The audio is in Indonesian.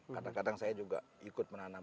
kadang kadang saya juga ikut menanam